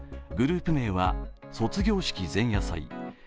グループ名は卒業式前夜祭。